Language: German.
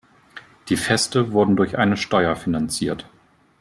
Die Feste wurden durch eine Steuer finanziert.